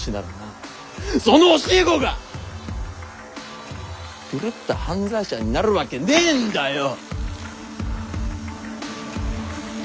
その教え子が狂った犯罪者になるわけねえんだよ。